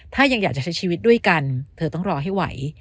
ถ้ายังอยากจะใช้ชีวิตด้วยกันเธอต้องรอให้ไหว